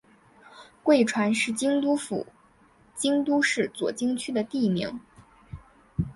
贵船是京都府京都市左京区的地名。